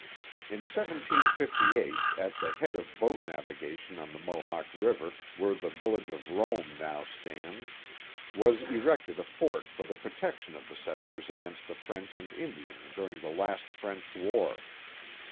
In 1738, at the head of boat navigation on the Mohawk River, where the village of Rome now stands, was erected a fort for the protection of the settlers against the French and Indians during the last French War.